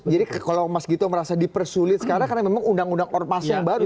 jadi kalau mas gintur merasa dipersulit sekarang karena memang undang undang ormasnya baru